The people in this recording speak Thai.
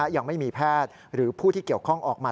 ยังไม่มีแพทย์หรือผู้ที่เกี่ยวข้องออกมา